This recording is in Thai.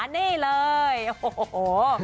นี่เลยโอ้โห